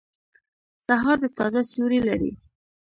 سهار د تازه سیوری لري.